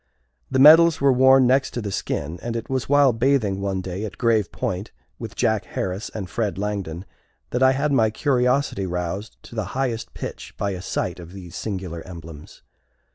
The medals were worn next the skin, and it was while bathing one day at Grave Point, with Jack Harris and Fred Langdon, that I had my curiosity roused to the highest pitch by a sight of these singular emblems.